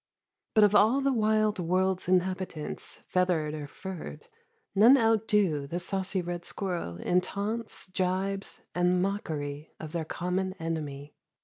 But of all the wild world's inhabitants, feathered or furred, none outdo the saucy red squirrel in taunts, gibes, and mockery of their common enemy.